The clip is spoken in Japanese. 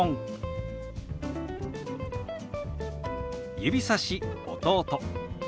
「指さし弟」。